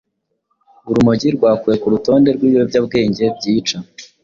urumogi rwakuwe ku rutonde rw’ibiyobyabwenge byica